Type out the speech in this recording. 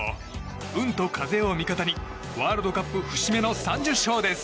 運と風を味方にワールドカップ節目の３０勝です。